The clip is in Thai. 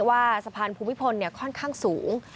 ว่าสะพานภูมิพลค่อนข้างสูง